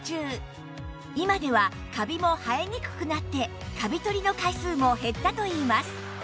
今ではカビも生えにくくなってカビ取りの回数も減ったといいます